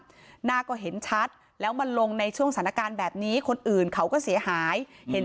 หน้าก็เห็นชัดแล้วมันลงในช่วงสถานการณ์แบบนี้คนอื่นเขาก็เสียหายเห็น